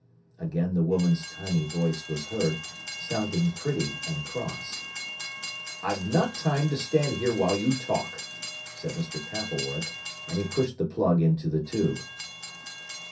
Again the woman's tiny voice was heard, sounding pretty and cross. "I've not time to stand here while you talk," said Mr. Pappleworth, and he pushed the plug into the tube.